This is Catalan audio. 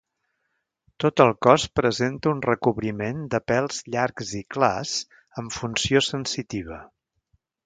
Tot el cos presenta un recobriment de pèls llargs i clars amb funció sensitiva.